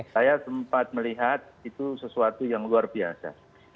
saya sempat melihat itu sesuatu yang luar biasa